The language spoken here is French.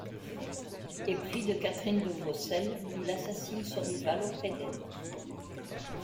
Épris de Catherine de Vaucelles, il assassine son rival auprès d'elle.